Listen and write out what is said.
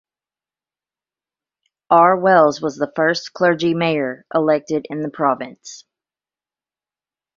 R. Wells was the first Clergy Mayor elected in the Province.